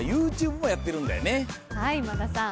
はい今田さん。